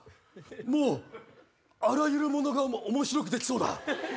もうあらゆるものがおもしろくできそうだ。